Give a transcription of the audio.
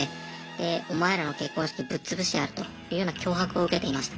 でお前らの結婚式ぶっつぶしてやるというような脅迫を受けていました。